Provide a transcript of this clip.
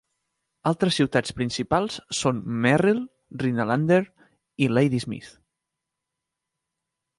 Altres ciutats principals són Merrill, Rhinelander i Ladysmith.